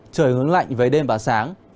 trời hướng lạnh với đêm và sáng